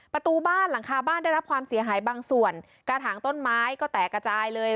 ประตูบ้านหลังคาบ้านได้รับความเสียหายบางส่วนกระถางต้นไม้ก็แตกกระจายเลย